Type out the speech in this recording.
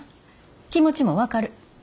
気持ちも分かる。